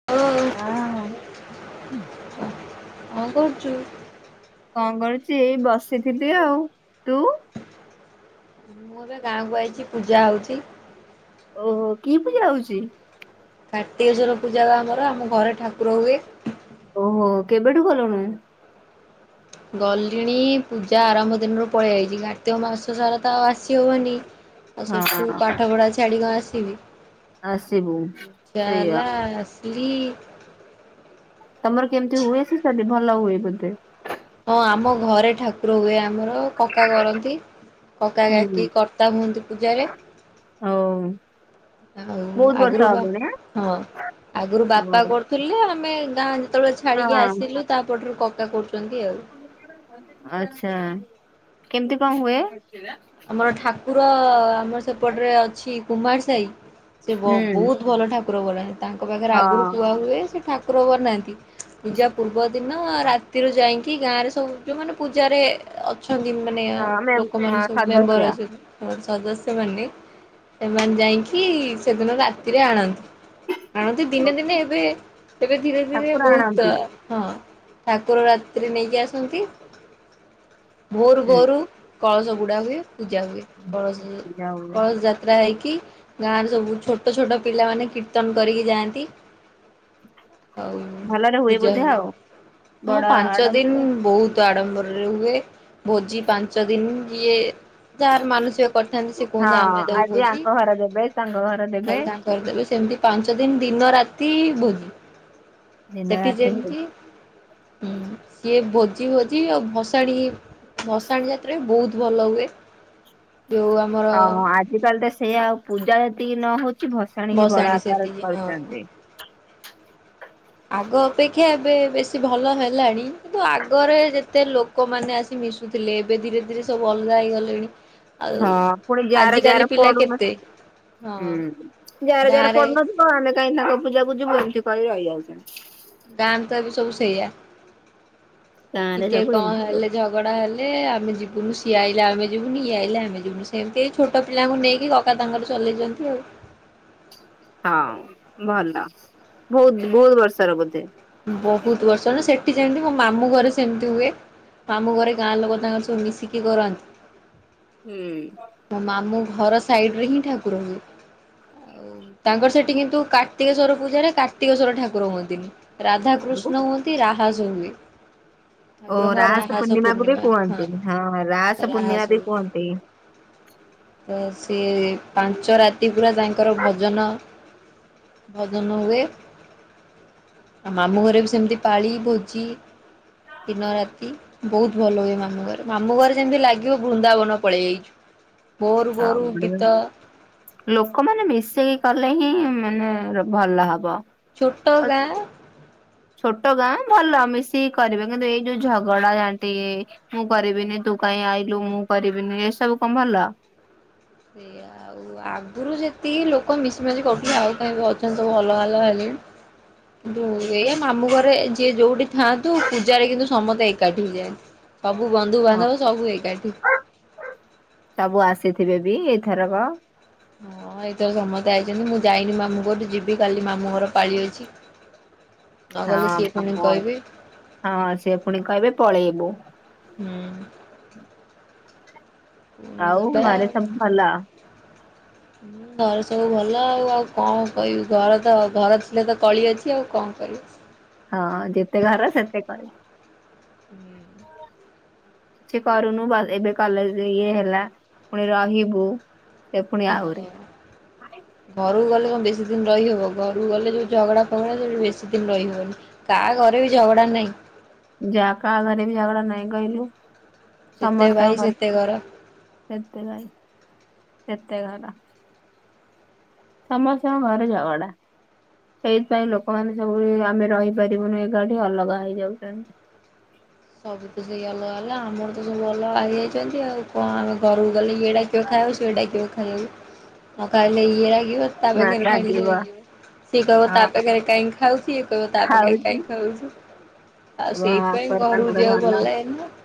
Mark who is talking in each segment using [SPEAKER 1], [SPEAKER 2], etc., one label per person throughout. [SPEAKER 1] ହଁ କଣ କରୁଛୁ?
[SPEAKER 2] କଣ କରୁଛି ଏଇ ବସିଥିଲି ଆଉ ତୁ?
[SPEAKER 1] ମୁଁ ଏବେ ଗାଁକୁୁ ଆଇଛି ପୂଜା ହୋଉଛି।
[SPEAKER 2] ଓହୋ କି ପୂଜା ହୋଉଛି?
[SPEAKER 1] କାର୍ତ୍ତିକେସ୍ୱର ପୂଜା ପା ଆମର ଆମ ଘରେ ଠାକୁର ହୁଏ।
[SPEAKER 2] ଓହୋ କେବେଠୁ ଗଲୁଣୁ?
[SPEAKER 1] ଗଲିଣି ପୂଜା ଆରମ୍ଭ ଦିନରୁ ପଳେଇଆଇଲି କାର୍ତ୍ତିକ ମାସ ସାରା ତ ଆଉ ଆସିହବନି। ଆଉ ସେଠୁ
[SPEAKER 2] ହଁ
[SPEAKER 1] ପାଠ ପଢା ଛାଡି କଣ ଆସିବି।
[SPEAKER 2] ଆସିବୁ
[SPEAKER 1] ଇଚ୍ଛା
[SPEAKER 2] ସେଇଆ
[SPEAKER 1] ହେଲା ଆସିଲି।
[SPEAKER 2] ତମର କେମିତି ହୁଏ ସେସାଦୀ ଭଲ ହୁଏ ବୋଧେ?
[SPEAKER 1] ହଁ ଆମ ଘରେ ଠା କୁର ହୁଏ ଆମର କକା କରନ୍ତି। କକା
[SPEAKER 2] ହୁଁ
[SPEAKER 1] କାକି କର୍ତ୍ତା ହୁଅନ୍ତି ପୂଜାରେ।
[SPEAKER 2] ଆଉ
[SPEAKER 1] ଆଉ ଆଗରୁ ବା ହଁ ଆଗରୁ
[SPEAKER 2] ଆଁ
[SPEAKER 1] ବାପା
[SPEAKER 2] ହଉ
[SPEAKER 1] କର ଥିଲେ ଆମେ ଗାଁ ଯେତେବେଳେ ଛାଡି଼କି
[SPEAKER 2] ହଁ
[SPEAKER 1] ଆସିଲୁ ତାପର ଠାରୁ କକା କରୁଛନ୍ତି ଆଉ।
[SPEAKER 2] ଆଚ୍ଛା କେମିତି କଣ ହୁଏ?
[SPEAKER 1] ଆମର ଠାକୁର ଆମର ସେପଟରେ ଅଛି କୁମାର ସାହି। ସେ
[SPEAKER 2] ହୁଁ
[SPEAKER 1] ବ-ବହୁତ ଭଲ ଠାକୁର ବନିନ୍ତି। ତାଙ୍କ ପାଖରେ ଆଗରୁ
[SPEAKER 2] ହଁ
[SPEAKER 1] କୁହା ହୁଏ ସେ ଠାକୁର ବନାନ୍ତି। ପୂଜା ପୂର୍ବ ଦିନ
[SPEAKER 2] ହଁ
[SPEAKER 1] ରାତିରୁ ଯାଇକି ଗାଁ ରେ ସବୁ ଯୋଉ ମାନେ ପୂଜାରେ ଅଛନ୍ତି ମାନେ
[SPEAKER 2] ଆମେ
[SPEAKER 1] ଲୋକମାନେ
[SPEAKER 2] ଅଁ,
[SPEAKER 1] ସବୁ ମେମ୍ବର
[SPEAKER 2] ସଦସ୍ୟ
[SPEAKER 1] ଅଛ ର ସଦସ୍ୟ ମାନେ ସେମାନେ ଯାଇକି ସେଦିନ ରାତିରେ ଆଣନ୍ତି। ଆଣନ୍ତି
[SPEAKER 2] ଓ
[SPEAKER 1] ଦିନେ ଦିନେ ଏବେ ଏବେ ଧୀରେ ଧୀରେ
[SPEAKER 2] ଠାକୁର
[SPEAKER 1] ବହୁତ
[SPEAKER 2] ଆଣନ୍ତି
[SPEAKER 1] ହଁ ଠାକୁର ରାତିରେ ନେଇକି ଆସନ୍ତି। ଭୋରୁ
[SPEAKER 2] ହୁଁ।
[SPEAKER 1] ଭୋରୁ କଳସ ବୁଡ଼ା ହୁଏ, ପୂଜା ହୁଏ। କଳସ
[SPEAKER 2] ପୂଜା ହୁଏ
[SPEAKER 1] କଳସ ଯାତ୍ରା ହେଇକି ଗାଁର ସବୁ ଛୋଟ ଛୋଟ ପିଲାମାନେ କୀର୍ତ୍ତନ କରିକି ଯାଆନ୍ତି। ଆଉ
[SPEAKER 2] ଭଲରେ
[SPEAKER 1] ପୂଜା
[SPEAKER 2] ବୋଧେ
[SPEAKER 1] ହୁଏ।
[SPEAKER 2] ଆଉ
[SPEAKER 1] ହଁ
[SPEAKER 2] ବଡ
[SPEAKER 1] ପାଞ୍ଚ ଦିନ
[SPEAKER 2] ଆଡମ୍ବର
[SPEAKER 1] ବହୁତ ଆଡ଼ମ୍ବରରେ ହୁଏ। ଭୋଜି ପାଞ୍ଚ ଦିନ ଇଏ ଯାହାର ମାନସିକ କରିଥାନ୍ତି, ସେ କୁହନ୍ତି
[SPEAKER 2] ହଁ
[SPEAKER 1] ଆମେ ଦବୁ
[SPEAKER 2] ଆଜି
[SPEAKER 1] ଭୋଜି।
[SPEAKER 2] ଆଙ୍କ ଘର ଦେବେ ତାଙ୍କ ଘର ଦେବେ
[SPEAKER 1] କରିଦେବେ ସେମତି ପାଞ୍ଚ ଦିନ ଦିନ ରାତି ଭୋଜି।
[SPEAKER 2] ଦିନ
[SPEAKER 1] ସେଠି
[SPEAKER 2] ରାତି
[SPEAKER 1] ଯେମତିଁ
[SPEAKER 2] ଭୋଜି
[SPEAKER 1] ସିଏ ଭୋଜି ଭୋଜି ଆଉ ଭସାଣି ଭସାଣି ଯାତ୍ରା ବି ବହୁତ ଭଲ ହୁଏ। [unintelligible]
[SPEAKER 2] ହଁ ହଁ ଆଜିିକାଲି ତ ସେଇଆ ଆଉ ପୂଜା ଯେତିକି ନ ହଉଛି, ଭସାଣି କି ବଡ଼ ଆକାର
[SPEAKER 1] ସେତିକି ହଁ।
[SPEAKER 2] କରୁଛନ୍ତି।
[SPEAKER 1] ଆଗ ଅପେକ୍ଷା ଏବେ ବେଶୀ ଭଲ ହେଲାଣି କିନ୍ତୁ ଆଗରେ ଯେତେ ଲୋ ଲୋକମାନେ ଆସି ମିଶୁଥିଲେ, ଏବେ ଧୀରେ ଧୀରେ ସବୁ ଅଲଗା ହେଇ ଗଲେଣି।
[SPEAKER 2] ହଁ ପୁଣି ଯାର ଯାର ପଡୁନ
[SPEAKER 1] କେତେ ହଁ
[SPEAKER 2] ହୁଁ ଯାର ଯାର
[SPEAKER 1] ଗାଁରେ
[SPEAKER 2] ପଡୁନ ଥିବ ଆମେ କାହିଁ ତାଙ୍କ ପୂଜାକୁ ଯିବୁ ଏମିତି କରି ରହି ଯାଉଛନ୍ତି।
[SPEAKER 1] ଗାଁରେ ତ ଏବେ ସବୁ ସେଇଆ।
[SPEAKER 2] ଗାଁ ରେ
[SPEAKER 1] ଟିକେ
[SPEAKER 2] ସବୁ
[SPEAKER 1] କଣ
[SPEAKER 2] ଏମିତି
[SPEAKER 1] ହେଲେ ଝଗଡ଼ା ହେଲେ ଆମେ ଯିବୁନୁ। ସିଏ ଆଇଲେ ଆମେ ଯିବୁନି ଇଏଷଆଇଲେ ଆମେ ଯିବୁନୁ ସେମିତି ଛୋଟ ପିଲାଙ୍କୁ ନେଇକି କକା ତାଙ୍କର ଚଲେଇଛନ୍ତି ଆଉ।
[SPEAKER 2] ହଁ ଭଲ। ବହୁତ ବହୁତ ବର୍ଷର ବୋଧେ?
[SPEAKER 1] ବହୁତ ବର୍ଷ ନା ସେଠି ଯେମିତି ମୋ ମାମୁଁ ଘରେ ସେମିତି ହୁଏ। ମାମୁଁ ଘରେ ଗାଁ ଲୋକ ତାଙ୍କର ସବୁ ମିଶିକି କରନ୍ତି।
[SPEAKER 2] ହୁଁ।
[SPEAKER 1] ମୋ ମାମୁଁ ଘର ସାଇଡ ରେ ହିଁ ଠାକୁର ହୁଏ। ଆ ତାଙ୍କର ସେଠି କିନ୍ତୁ କାର୍ତ୍ତିକେଶ୍ଵର ପୂଜାରେ କାର୍ତ୍ତିକେଶ୍ଵର ଠାକୁର ହୁଅନ୍ତି ନି। ରାଧାକୃଷ୍ଣ ହୁଅନ୍ତି ରାହାସ ହୁଏ।
[SPEAKER 2] ଓ
[SPEAKER 1] ଠାକୁରଙ୍କ ରାହାସ
[SPEAKER 2] ପୂର୍ଣ୍ଣିମାକୁ ବି
[SPEAKER 1] ପୂର୍ଣ୍ଣିମା ହଁ
[SPEAKER 2] କୁହନ୍ତି ପୂର୍ଣ୍ଣିମା
[SPEAKER 1] ରାହାସ
[SPEAKER 2] ବି
[SPEAKER 1] ହୁଏ।
[SPEAKER 2] କୁହନ୍ତି।
[SPEAKER 1] ତ ସିଏ ପାଞ୍ଚ ରାତି ପୁରା ତାଙ୍କର ଭଜନ ଭଜନ ହୁଏ। ଆଉ ମାମୁଁ ଘରେ ବି ସେମିତି ପାଳି ଭୋଜି ଦିନ ରାତି ବହୁତ ଭଲ ହୁଏ ମାମୁଁ ଘରେ। ମାମୁଁ ଘରେ ଯେମିତି ଲାଗିବ ବୃନ୍ଦାବନ ପଳେଇ ଯାଇଛୁ। ବୋରୁ ବୋରୁ ଗୀତ
[SPEAKER 2] [unintelligible] ଲୋକମାନେ ମିଶିକି କଲେ ହିଁ ମାନେ ଭଲ ହବ।
[SPEAKER 1] ଛୋଟ ଗାଁ
[SPEAKER 2] ଛୋଟ ଗାଁ ଭଲ ମିଶିକି କରିବେ କିନ୍ତୁ ଏଇ ଯୋଉ ଝଗଡ଼ା ଝାଟି ମୁଁ କରିବିନି ତୁ କାହିଁ ଆଇଲୁ, ମୁଁ କରିବିନି ଏସବୁ କଣ ଭଲ?
[SPEAKER 1] ସେୟା ଆଉ। ଆଗରୁ ଯେତିକି ଲୋକ ମିଶି ମାଶିକି କରୁଥିଲେ ଆଉ କାହିଁ ଅଛନ୍ତି ସବୁ ଅଲଗା ଅଲଗା ହେଲେଣି। କିନ୍ତୁ ଏଇଆ ମାମୁଁ ଘରେ ଯିଏ ଯୋଉଠି ଥାଆନ୍ତୁ ପୂଜାରେ କିନ୍ତୁ ସମସ୍ତେ ଏକାଠି ହେଇ ଯାଆନ୍ତି। ସବୁ ବନ୍ଧୁବାନ୍ଧବ ସବୁ ଏକାଠି।
[SPEAKER 2] ସବୁ ଆସିଥିବେ ବି ଏଇ ଥରକ।
[SPEAKER 1] ହଁ ଏଇ ଥରକ ସମସ୍ତେ ଆଇଛନ୍ତି ମୁଁ ଯାଇନି ମାମୁଁ ଘର କୁ ଯିବି କାଲି ମାମୁଁ ଘର ପାଳି ଅଛି। [inaudible] ନଗଲେ ସିଏ ପୁଣି
[SPEAKER 2] ହଁ [unintelligible]
[SPEAKER 1] କହିବେ
[SPEAKER 2] ହଁ ସିଏ ଫୁଣି କହିବେ ପଳେଇବୁ।
[SPEAKER 1] ହୁଁ। ଉଁ
[SPEAKER 2] ଆଉ
[SPEAKER 1] ଯିବା
[SPEAKER 2] ଘରେ ସବୁ ଭଲ
[SPEAKER 1] ଉଁ ଘରେ ସବୁ ଭଲ ଆଉ ଆଉ କଣ କହିବି ଘର ତ ଘର ଥିଲେ ତ କଳି ଅଛି ଆଉ କଁ କରବୁ।
[SPEAKER 2] ହଁ ଯେତେ ଘର ସେତେ କଳି।
[SPEAKER 1] ହୁଁ।
[SPEAKER 2] ଛି କରୁନୁ [unintelligible] ଏବେ କଲେଜରେ ଇଏ ହେଲା ଫୁଣି ରହିବୁ। ସେ ପୁଣି ଆହୁରି
[SPEAKER 1] [unintelligible] ଘରୁକୁ ଗଲେ କଁ ବେଶୀ ଦିନ ରହିହବ ଘରୁକୁ ଗଲେ ଯୋଉ ଝଗଡ଼ା ଫଗଡା ସେଠି ବେଶୀ ଦିନ ରହିହବନି। କା ଘରେ ବି ଝଗଡ଼ା ନାଇଁ।
[SPEAKER 2] ଯା କାହା ଘରେ ବି ଝଗଡ଼ା ନାଇଁ କହିଲୁ
[SPEAKER 1] ଯେତେ ଭାଇ
[SPEAKER 2] ସମସ୍ତଙ୍କ
[SPEAKER 1] ସେତେ ଘର।
[SPEAKER 2] ଘରେ ହେତି ପାଇଁ [unintelligible] ଘର। ସମସ୍ତଙ୍କ ଘରେ ଝଗଡା। ସେଇଥିପାଇଁ ଲୋକୋମାନୋ ସବୁ ଏ ଆମେ ରହିପାରିବୁନୁ ଏକାଠି ଅଲଗା ହେଇଯାଉଚନ୍ତି।
[SPEAKER 1] ସବୁ ତ ସେଇ ଅଲଗା [unintelligible] ଆମର ତ ସବୁ ଅଲଗା ହେଇଯାଇଛନ୍ତି ଆଉ କଁ ଆମେ ଘରୁକୁ ଗଲେ ଇଏ ଡ଼ା କିବ ଖାଇବାକୁ ସିଏ ଡାକିବ ଖାଇବାକୁ ନ ଖାଇଲେ ଇଏ ରାଗିବ ତା ପାଖରେ ଖାଇଲେ
[SPEAKER 2] ଲାଗିବ
[SPEAKER 1] [unintelligible] ସିଏ କହିବ ତା
[SPEAKER 2] ହଁ
[SPEAKER 1] ପାଖେରେ କାଇଁ ଖାଉଚି ଇଏ କହିବ ତା ପାଖେରେ
[SPEAKER 2] ଖାଉଛି
[SPEAKER 1] କାଇଁ ଖାଉଚି। ଆଉ ସେଇପାଇଁ
[SPEAKER 2] ଆଙ୍କର
[SPEAKER 1] ଘରୁକୁ
[SPEAKER 2] ତାଙ୍କର
[SPEAKER 1] ଯିବାକୁ ଭଲ ଲାଗେନି [unintelligible]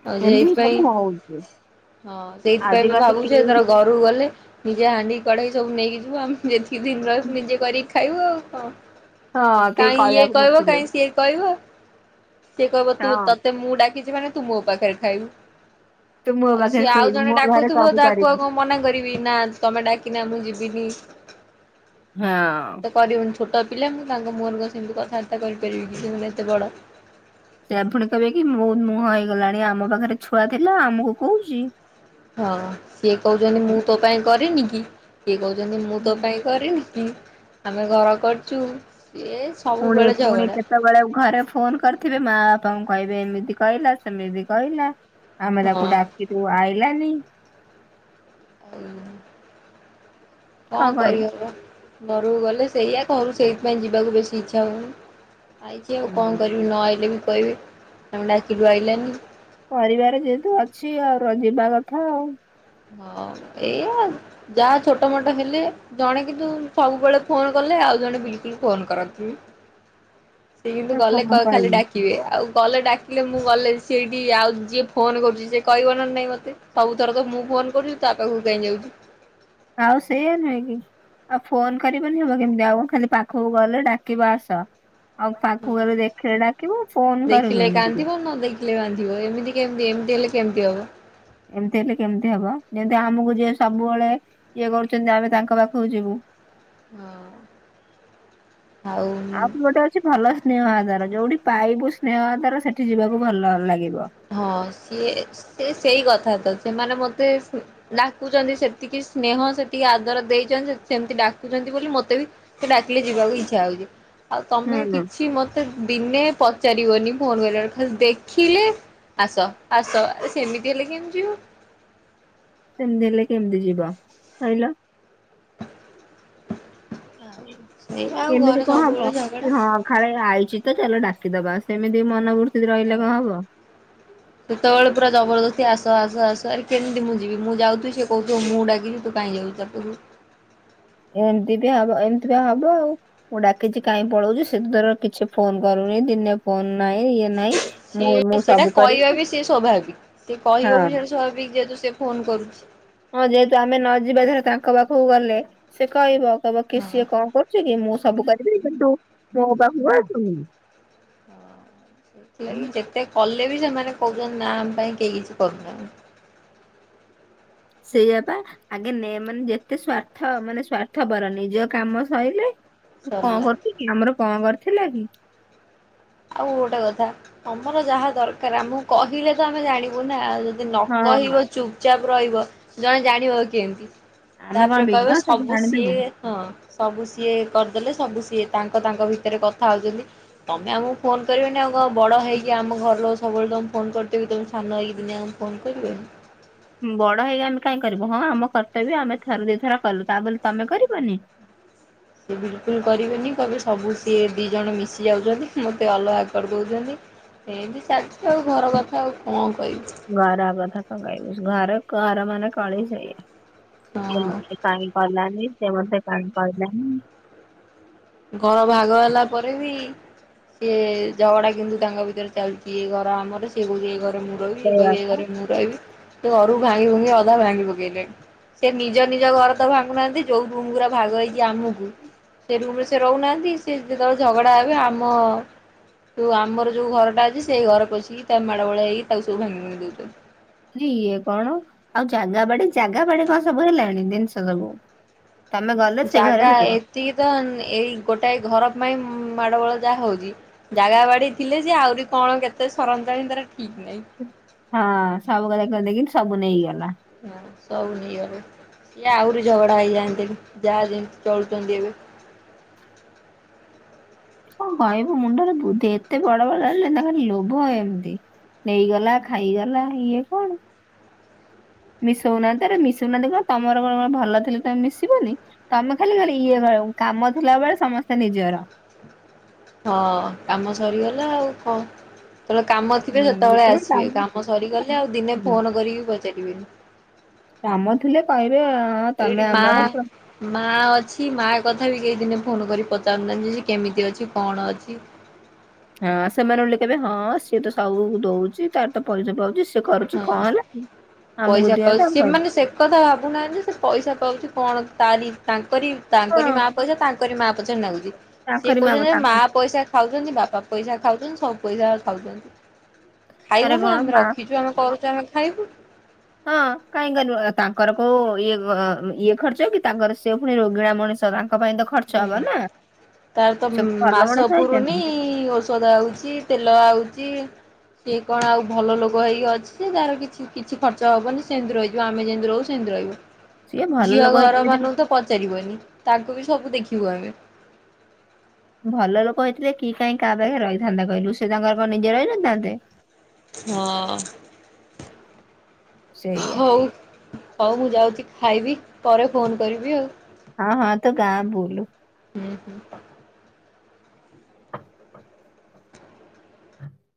[SPEAKER 1] [unintelligible] ପାଇଁ
[SPEAKER 2] ଏମିତି ସବୁ ହଉଛି
[SPEAKER 1] ହଁ ସେଇଥିପାଇଁ ବି
[SPEAKER 2] ଆଜିକାଲି
[SPEAKER 1] ଭାବୁଚି
[SPEAKER 2] କେହି
[SPEAKER 1] ଏଥର ଘ ରୁକୁ ଗଲେ ନିଜେ ହାଣ୍ଡି କଡେଇ ସବୁ ନେଇକି ଯିବୁ ଆମେ ଯେତିକି ଦିନ ରହିବୁ ନିଜେ କରିକି ଖା ଖାଇବୁ ଆଉ
[SPEAKER 2] ହଁ
[SPEAKER 1] କଁ
[SPEAKER 2] କେହି
[SPEAKER 1] କାଇଁ ଇଏ
[SPEAKER 2] କହିବାକୁ
[SPEAKER 1] କହିବ
[SPEAKER 2] ନଥିବେ
[SPEAKER 1] କାଇଁ ସିଏ କହିବ। ସିଏ କହିବ ତୁ
[SPEAKER 2] ହଁ
[SPEAKER 1] ତତେ ମୁଁ ଡାକିଚି ମାନେ ତୁ ମୋ ପାଖେରେ ଖାଇବୁ।
[SPEAKER 2] ତୁ ମୋ
[SPEAKER 1] ଆଉ
[SPEAKER 2] ପାଖରେ
[SPEAKER 1] ସିଏ ଆଉ
[SPEAKER 2] ଶୋଇବୁ
[SPEAKER 1] ଜଣେ
[SPEAKER 2] ମୋ ଘରେ
[SPEAKER 1] ଡାକୁଥୁବ
[SPEAKER 2] ସବୁ
[SPEAKER 1] ତାକୁ
[SPEAKER 2] କରିବୁ।
[SPEAKER 1] ଆଉ କଁ ମନା କରିବି ନା ତମେ ଡାକିନା ମୁଁ ଯିବିନି
[SPEAKER 2] ହଁ
[SPEAKER 1] ତ କରି [unintelligible] ଛୋଟୋ ପିଲା ମୁଁ ତାଙ୍କ ମୁଁହ [unintelligible] ସେମିତି କଥାବାର୍ତ୍ତା କରିପାରିବି କି ସେମାନେ ଏତେ ବଡ଼।
[SPEAKER 2] ସେୟା ଫୁଣି କହିବେ କି ମୁ ମୁହଁ ହେଇଗଲାଣି ଆମ ପାଖରେ ଛୁଆ ଥିଲା ଆମୁକୁ କୋହୁଚି।
[SPEAKER 1] ହଁ ସିଏ କୋହୁଚନ୍ତି ମୁଁ ତୋ ପାଇଁ କରିନି କି [unintelligible] କୋହୁଚନ୍ତି ମୁଁ ତୋ ପାଇଁ କରିନିକି ଆମେ ଘର କରିଚୁ ସିଏ
[SPEAKER 2] ପୁଣି
[SPEAKER 1] ସବୁବେଳେ
[SPEAKER 2] ପୁଣି
[SPEAKER 1] ଝଗଡା।
[SPEAKER 2] କେତେବେଳେ ଘରେ ଫୋନ୍ କରିଥିବେ ମା ବାପାଙ୍କୁ କହିବେ ଏମିତି କହିଲା ସେମିତି କହିଲା ଆମେ
[SPEAKER 1] ହଁ। ଆଉ
[SPEAKER 2] ତାକୁ ଡା କି ତୁ ଆଇଲାନି କଣ
[SPEAKER 1] କଁ
[SPEAKER 2] କହିବୁ?
[SPEAKER 1] କରିହବ ଘରୁକୁ ଗଲେ ସେଇଆ ଘରୁ ସେଇଥିପାଇଁ ଯିବାକୁ ବେଶୀ ଇଚ୍ଛା ହୋଉନି। ଆଇଚି ଆଉ କଁ
[SPEAKER 2] ହୁଁ
[SPEAKER 1] କରିବି ନ ଆଇଲେ ବି କହିବେ ଆମେ ଡାକିଲୁ ଆଇିଲାନି।
[SPEAKER 2] ପରିବାର ଯେହେତୁ ଅଛି ଆଉ ର ଯିବା କଥା ଆଉ।
[SPEAKER 1] ହଁ ଏଇଆ ଯାହା ଛୋଟ ମୋଟୋ ହେଲେ ଜଣେ କିନ୍ତୁ ସବୁବୋଳେ ଫୋନ କଲେ ଆଉ ଜଣେ ବିଲକୁଲ ଫୋନ୍ କର [unintelligible] ସିଏ କିନ୍ତୁ
[SPEAKER 2] ଆଉ
[SPEAKER 1] ଗଲେ କ
[SPEAKER 2] କଣ
[SPEAKER 1] ଖାଲି
[SPEAKER 2] କହିବି।
[SPEAKER 1] ଡାକିବେ ଆଉ ଗଲେ ଡାକିଲେ ମୁଁ ଗଲେ [unintelligible] ଆଉ ଯିଏ ଫୋନ କରୁଚି ସିଏ କହିବ ନା ନାଇଁ ମତେ ସବୁଥର ତ ମୁଁ ଫୋନ୍ କରୁଚି ତା ପାଖୁକୁ କାଇଁ ଯାଉଚୁ।
[SPEAKER 2] ଆଉ ସେଇୟା ନୁହେଁ କି। ଆଉ ଫୋନ କରିବନି ହବ କେମିତି ଆଉ କଁ ଖାଲି ପାଖୁକୁ ଗଲେ ଡାକିବ ଆସ। ଆଉ ପାଖୁକୁ ଗଲେ ଦେଖିଲେ ଡାକିବ ଆଉ ଫୋନ କରିବନି ଟିକେ।
[SPEAKER 1] [unintelligible] ବାନ୍ଧିବ ଏମିତି କେମିତି ଏମିତି ହେଲେ କେମିତି ହବ।
[SPEAKER 2] ଏମିତି ହେଲେ କେମିତି ହବ ଯେମିତି ଆମୁକୁ ଯିଏ ସବୁବୋଳେ ଇଏ କରୁଚନ୍ତି ଆମେ ତାଙ୍କ ପାଖୁକୁ ଯିବୁ।
[SPEAKER 1] ହଁ।
[SPEAKER 2] ଆଉ ବି ଗୋଟେ ଅଛି ଭଲ ସ୍ନେହ ଆଦାର ଯୋଉଠି ପାଇବୁ ସ୍ନେହ ଆଦର ସେଠି ଯିବାକୁ ଭଲ ଲାଗିବ।
[SPEAKER 1] ହଁ ସିଏ ସେ ସେଇ କଥା ତ ସେମାନେ ମତେ ଡାକୁଚନ୍ତି ସେତିକି ସ୍ନେହ ସେତିକି ଆଦର ଦେଇଚନ୍ତି [unintelligible] ସେମିତି ଡାକୁଚନ୍ତି ବୋଲି ମତେ ବି ସିଏ ଡାକିଲେ ଯିବାକୁ ଇଚ୍ଛା ହୋଉଚି। ଆଉ ତମେ
[SPEAKER 2] ହୁଁ।
[SPEAKER 1] କିଛି ମତେ ଦିନେ ପଚାରିବନି ଫୋନ୍ [unintelligible] ଖାଲି ଦେଖିଲେ ଆସ ଆସ ଆରେ ସେମିତି ହେଲେ କେମିତିି ଯିବ।
[SPEAKER 2] ସେମତି ହେଲେ କେମତି ଯିବ କହିଲ?
[SPEAKER 1] ଏଇ ଆଉ
[SPEAKER 2] ଏମିତି
[SPEAKER 1] ଘରେ
[SPEAKER 2] କଣ ହବ
[SPEAKER 1] ସବୁବେଳେ
[SPEAKER 2] କି
[SPEAKER 1] ଝଗଡା।
[SPEAKER 2] ହଁ କାଳେ ଆଇଛି ତ ଚାଲ ଡାକିଦବା ସେମିତି ମନବୃର୍ତ୍ତି ରହିଲେ କଣ ହବ।
[SPEAKER 1] [inaudible] ସେତେବେଳେ ପୁରା ଜବରଦସ୍ତି ଆସ ଆସ ଆସ ଆରେ କେମତି ମୁଁ ଯିବି ମୁଁ ଯାଉଥିବି ସେ କହୁଥିବ ମୁଁ ଡାକିନି ତୁ କାହିଁ ଯାଉଛୁ। [inaudible]
[SPEAKER 2] ଏମିତିକା ହବ ଏମିତିକା ହବ ଆଉ। ମୁଁ ଡାକିଛି କାହିଁ ପଳଉଛି ସେତାର କିଛି ଫୋନ କରୁନି ଦିନେ। ଫୋନ୍ ନାଇଁ ଇଏ ନାଇଁ ମୁଁ
[SPEAKER 1] ସିଏ
[SPEAKER 2] ମୁଁ
[SPEAKER 1] ସେଇଟା
[SPEAKER 2] ସବୁ
[SPEAKER 1] କହିବା
[SPEAKER 2] କରିବି।
[SPEAKER 1] ବି ସିଏ ସ୍ୱାଭାବିକ ସେ କହିବ ବି
[SPEAKER 2] ହଁ
[SPEAKER 1] ସେଇଟା ସ୍ୱଭାବିକ୍ ଯେହେତୁ ସେ ଫୋନ୍ କରୁଛି।
[SPEAKER 2] ହଁ ଯେହେତୁ ଆମେ ନ ଯିବା ଧର ତାଙ୍କ ପାଖକୁ ଗଲେ ସେ କହିବ କହିବ କି
[SPEAKER 1] ହଁ।
[SPEAKER 2] ସିଏ କଣ କରୁ କରୁଛି କି ମୁଁ ସବୁ କରିବି କିନ୍ତୁ ମୋ ପାଖକୁ ଆସୁନି।
[SPEAKER 1] ସେଥିଲାଗି ଯେତେ କଲେ ବି ସେମାନେ କହୁଚନ୍ତି ନା ଆମ ପାଇଁ କେହି କିଛି କରୁନାହାଁନ୍ତି।
[SPEAKER 2] ସେୟା ପା ଆଗେ ନେ ମାନେ ଯେତେ ସ୍ଵାର୍ଥ ମାନେ ସ୍ଵାର୍ଥପର ନିଜ କାମ ସଇଲେ ତୁ କଣ
[SPEAKER 1] ସରିଲା।
[SPEAKER 2] କରୁଚୁ କି ଆମର କଣ କରିଥିଲେ କି?
[SPEAKER 1] ଆଉ ଗୋଟେ କଥା ତମର ଯାହା ଦରକାର ଆମକୁ କହିଲେ ତ ଆମେ ଜାଣିବୁ ନା ଆଉ ଯ ନ
[SPEAKER 2] ହଁ
[SPEAKER 1] କହିବ ଚୁପଚାପ୍ ରହିବ ଜଣେ ଜାଣିବ କେମତି?
[SPEAKER 2] ଆମେ କଣ
[SPEAKER 1] ତାପରେ କହିବ
[SPEAKER 2] ବିଜ୍ଞ
[SPEAKER 1] ସବୁ
[SPEAKER 2] ଜାଣିଦେବୁ।
[SPEAKER 1] ସିଏ ହଁ ସବୁ ସିଏ କରିଦେଲେ ସବୁ ସିଏ ତାଙ୍କ ତାଙ୍କ ଭିତରେ କଥା ହଉଛନ୍ତି ତମେ ଆମ ଫୋନ୍ କରିବେନି ଆଉ କଣ ବଡ଼ ହେଇକି ଆମ ଘର ଲୋକ ସବୁବେଳେ ତମକୁ ଫୋନ୍ କରୁଥିବେ ତମେ ସାନ ହେଇକି ଦିନେ ଆଉ ଫୋନ୍ କରିବେନି?
[SPEAKER 2] ବଡ ହେଇକି ଆମେ କାଇଁ କରିବୁ ହଁ ଆମ କର୍ତ୍ତବ୍ୟ ଆମେ ଥରେ ଦିଥର କଲୁ ତା ବୋଲି ତମେ କରିବନି?
[SPEAKER 1] ସେ ବିଲକୁଲ୍ କରିବେନି କହିବେ ସବୁ ସିଏ ଦିଜଣ ମିଶି ଯାଉଛନ୍ତି ମୋତେ ଅଲଗା କରି ଦଉଚନ୍ତି। ଏମତି ଚାଲିଛି ଆଉ ଘର କଥା ଆଉ କଣ କହିବି?
[SPEAKER 2] ଘର କଥା କଣ କହିବୁ ଘର ଘର ମାନ କଳି ସେୟା। ସେ
[SPEAKER 1] ହଁ।
[SPEAKER 2] ମତେ କାଇଁ କଲାନି ସେ ମତେ କାଇଁ କହିଲାନି?
[SPEAKER 1] ଘର ଭାଗ ହେଲା ପରେ ବି ସିଏ ଝଗଡା କିନ୍ତୁ ତାଙ୍କ ଭିତରେ ଚାଲଚି ଏ ଘର ଆମର ସେଏ କହୁଛି ଏଇ ଘରେ ମୋ ରହିବି ଇଏ
[SPEAKER 2] ସେଇଆ
[SPEAKER 1] କହିବେ ଏ
[SPEAKER 2] ପା।
[SPEAKER 1] ଘରେ ମୁଁ ରହିବି ତୋ ଘରୁକୁ ଭାଙ୍ଗି ଭୁଙ୍ଗି ଅଧା ଭାଙ୍ଗି ପକେଇଲେଣି। ସେ ନିଜ ନିଜ ଘର ତ ଭାଙ୍ଗୁନାହାନ୍ତି ଯୋଉ ରୁମ୍ ଗୁରା ଭାଗ ହେଇଛି ଆମକୁ ସେ ରୁମ୍ ରେ ସେ ସେ ରହୁନାହାନ୍ତି ସେ ଯେତେବେଳେ ଝଗଡା ହେବେ ଆମ ଯୋଉ ଆମର ଯୋଉ ଘରଟା ଅଛି ସେଇ ଘରେ ପଶିକି ତା ମାଡ ବଳ ହେଇକି ତାକୁ ସବୁ ଭାଙ୍ଗି ଭୁଙ୍ଗି ଦଉଛନ୍ତି।
[SPEAKER 2] [unintelligible] ଇଏ କଣ ଆଉ ଜାଗା ବାଡି ଜାଗା ବାଡି କଣ ସବୁ ହେଲାଣି ଜିନିଷ ସବୁ? ତମେ ଗଲେ ସେ ଘରେ
[SPEAKER 1] ଜାଗା
[SPEAKER 2] ରୁହ।
[SPEAKER 1] ଏତିକି ତ ଏଇ ଗୋଟାଏ ଘର ପାଇଁ ମାଡ ଗୋଳ ଯାହା ହଉଛି। ଜାଗା ବାଡି ଥିଲେ ସେ ଆହୁରି କଣ କେତେ ସରନ୍ତାଣି ତାର ଠିକ୍ ନାହିଁ।
[SPEAKER 2] ହଁ ସବୁକଥା କହନ୍ତି କି ସବୁ ନେଇଗଲା।
[SPEAKER 1] ହଁ ସବୁ ନେଇଗଲା। ସିଏ ଆହୁରି ଝଗଡା ହେଇଯାଆନ୍ତେଣି ଯାହା ଯେମତି ଚଳୁଛନ୍ତି ଏବେ।
[SPEAKER 2] କଣ କହିବୁ ମୁଣ୍ଡରେ ବୁଦ୍ଧି ଏତେ ବଡ ବଡ ହେଲେଣି ତାଙ୍କର ଲୋଭ ଏମତି। ନେଇଗଲା ଖାଇଗଲା ଇଏ କଣ? ମିଶଉନାହାନ୍ତି ଆରେ ମିଶଉନାହାନ୍ତି କଣ ତମର କଣ ଭଲ ଥିଲେ ତମେ ମିଶିବନି। ତମେ ଖାଲି ଖାଲି ଇଏ ହ କାମ ଥିଲା ବେଳେ ସମସ୍ତେ ନିଜର।
[SPEAKER 1] ହଁ କାମ ସରିଗଲା ଆଉ କଣ। ଯେତେବେଳେ କାମ ଥିବେ
[SPEAKER 2] ହୁଁ
[SPEAKER 1] ସେତେବେଳେ
[SPEAKER 2] ଯେତେବେଳେ
[SPEAKER 1] ଆସିବେ କାମ ସରିଗଲେ ଆଉ ଦିନେ
[SPEAKER 2] ହୁଁ
[SPEAKER 1] ଫୋନ୍ କରିକି ପଚାରିବେନି।
[SPEAKER 2] କାମ ଥିଲେ କହିବେ। ହଁ
[SPEAKER 1] ଏଇଠି
[SPEAKER 2] ତମେ ଆମର
[SPEAKER 1] ମାଆ
[SPEAKER 2] ପ୍ର-
[SPEAKER 1] ମା ଅଛି ମା କଥା ବି କେହି ଦିନେ ଫୋନ୍ କରି ପଚାରୁନାହାନ୍ତି ଯେ ସେ କେମିତି ଅଛି କଣ ଅଛି।
[SPEAKER 2] ହଁ ସେମାନେ ଓଲଟି କେହିବେ ହଁ ସିଏ ତ ସବୁ ଦଉଛି ତାର ତ ପଇସା ପାଉଛି। ସେ କରୁଛି କଣ
[SPEAKER 1] ହଁ।
[SPEAKER 2] ହେଲା କି ଆମକୁ
[SPEAKER 1] ପଇସା ପାଉଛି
[SPEAKER 2] ଦିଅନ୍ତା ଆମେ
[SPEAKER 1] ସେମାନେ ସେ କଥା ଭାବୁନାହାଁନ୍ତି ଯେ ସେ ପଇସା ପାଉଛି କଣ ତାରି ତାଙ୍କରି
[SPEAKER 2] ହଁ
[SPEAKER 1] ତାଙ୍କରି ମା ପଇସା ତାଙ୍କରି ମା ପଛରେ ନାଗୁଛି ସିଏ
[SPEAKER 2] ତାଙ୍କରି
[SPEAKER 1] କହୁଛନ୍ତି ଯେ
[SPEAKER 2] ତାଙ୍କ
[SPEAKER 1] ମା ପ ପଇସା ଖାଉଛନ୍ତି ବାପା ପଇସା ଖାଉଛନ୍ତି ସବୁ ପଇସା ଖାଉଛନ୍ତି
[SPEAKER 2] ଆରେ
[SPEAKER 1] ଖାଇବୁନୁ
[SPEAKER 2] କଣ
[SPEAKER 1] ଆମେ
[SPEAKER 2] ମା
[SPEAKER 1] ରଖିଚ୍ ଚୁ ଆମେ କରୁଛୁ ଆମେ ଖାଇବୁ।
[SPEAKER 2] ହଁ କାହିଁକି କରିବ ଆ ତାଙ୍କର କୋଉ ଇଏ କ ଇଏ ଖର୍ଚ୍ଚ କି ତାଙ୍କର ସେ ପୁଣି ରୋଗିଣା ମଣିଷ ତ ତାଙ୍କ ପାଇଁ ତ ଖ
[SPEAKER 1] ହୁଁ ତାର ତ
[SPEAKER 2] ଭଲ
[SPEAKER 1] ମାସ
[SPEAKER 2] ମଣିଷ ହେଇଛନ୍ତି
[SPEAKER 1] ପୁରୁନି ଓଷ୍ ଷଧ ଆଉଛି ତେଲ ଆଉଛି। ସିଏ କଣ ଆଉ ଭଲ ଲୋକ ହେଇକି ଅଛି ଯେ ତାର କିଛି କିଛି ଖର୍ଚ୍ଚ ହବନି ସେମିତି ରହି ଯିବ ଆମେ ଯେମିତି ରହୁଛୁ ସେମିତି
[SPEAKER 2] ସିଏ
[SPEAKER 1] ରହିବ
[SPEAKER 2] ଭଲ
[SPEAKER 1] ଝିଅ
[SPEAKER 2] ଲୋକ
[SPEAKER 1] ଘର
[SPEAKER 2] ହେଇଛନ୍ତି
[SPEAKER 1] ମାନଙ୍କୁ ତ ପଚାରିବନି ତାଙ୍କୁବି ସବୁ ଦେଖିବୁ ଆମେ।
[SPEAKER 2] ଭଲ ଲୋକ ହେଇଥିଲେ କିଏ କାହିଁ କାହା ପାଖରେ ରହିଥାନ୍ତା କହିଲୁ ସେ ତାଙ୍କର କଣ ନିଜେ ରହିନଥାନ୍ତେ?
[SPEAKER 1] ହଁ
[SPEAKER 2] ସେଇଆ
[SPEAKER 1] ହୋଉ। ହଉ ମୁଁ ଯାଉଛି ଖାଇବି ପରେ ଫୋନ କରିବି ଆଉ।
[SPEAKER 2] ହଁ ହଁ ତୁ ଗାଁ ବୁଲୁ।
[SPEAKER 1] ହୁଁ ହୁଁ।